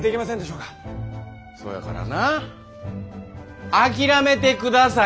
そやからな諦めてください！